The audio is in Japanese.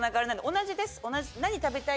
同じです。